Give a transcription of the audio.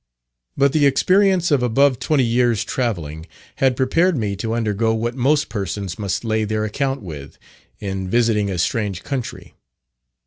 But the experience of above twenty years' travelling, had prepared me to undergo what most persons must lay their account with, in visiting a strange country.